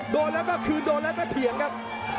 โดนแล้วก็คือโดนแล้วก็เถียงครับ